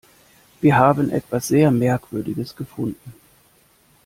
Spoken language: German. Wir haben etwas sehr Merkwürdiges gefunden.